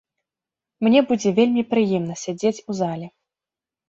Мне будзе вельмі прыемна сядзець у зале.